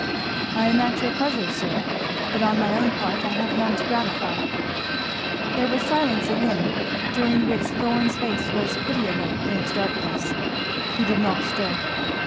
"I am at your pleasure, sir! But on my own part I have none to gratify." There was silence again, during which Thorn's face was pitiable in its darkness. He did not stir.